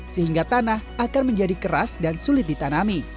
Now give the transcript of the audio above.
sehingga tanah akan menjadi keras dan sulit ditanami